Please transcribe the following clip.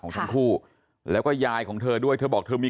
ช่วยด้วยค่ะพี่